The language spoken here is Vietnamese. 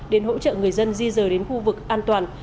đến hỗ trợ người dân di rời đến khu vực an toàn